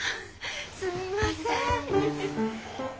すみません。